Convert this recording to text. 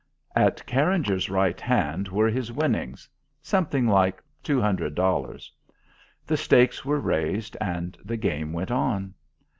At Carringer's right hand were his winnings something like two hundred dollars. The stakes were raised, and the game went on.